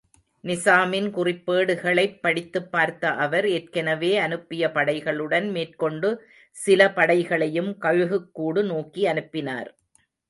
நிசாமின் குறிப்பேடுகளைப் படித்துப் பார்த்த அவர் ஏற்கெனவே அனுப்பிய படைகளுடன், மேற்கொண்டு சில படைகளையும் கழுகுக்கூடு நோக்கியனுப்பினார்.